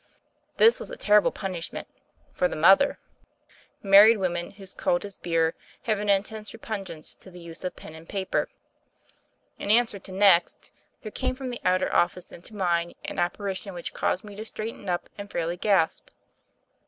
This was a terrible punishment — for the mother! Married women whose cult is beer have an intense repugnance to the use of pen and paper. In answer to "Next," there came from the outer office into mine an apparition which caused me to straighten up and fairly gasp.